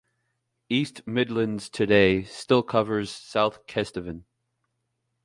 "East Midlands Today" still covers South Kesteven.